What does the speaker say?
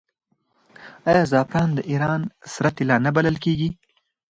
آیا زعفران د ایران سره طلا نه بلل کیږي؟